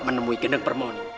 menemui gendeng permoni